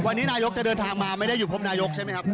วันนี้นายกจะเดินทางมาไม่ได้อยู่พบนายกใช่ไหมครับ